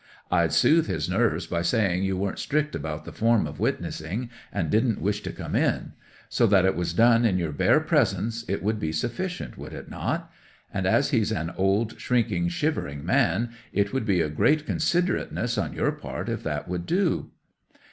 I'd soothe his nerves by saying you weren't strict about the form of witnessing, and didn't wish to come in. So that it was done in your bare presence it would be sufficient, would it not? As he's such an old, shrinking, shivering man, it would be a great considerateness on your part if that would do?"